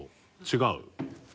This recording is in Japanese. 違う？